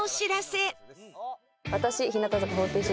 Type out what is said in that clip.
私日向坂４６